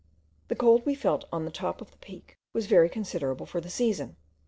The cold we felt on the top of the Peak, was very considerable for the season.